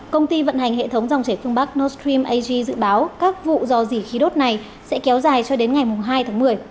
công ty vận hành hệ thống dòng chảy phương bắc nostream ag dự báo các vụ dò dỉ khí đốt này sẽ kéo dài cho đến ngày hai tháng một mươi